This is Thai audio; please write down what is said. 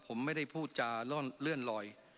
ผมไม่ได้พูดจาเลื่อนลอย